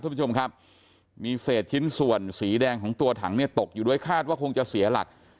คุณผู้ชมครับมีเศษชิ้นส่วนสีแดงของตัวถังเนี่ยตกอยู่ด้วยคาดว่าคงจะเสียหลัก